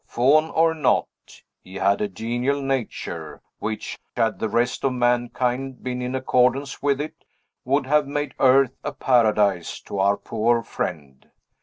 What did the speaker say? Faun or not, he had a genial nature, which, had the rest of mankind been in accordance with it, would have made earth a paradise to our poor friend.